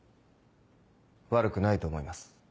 悪くないと思います。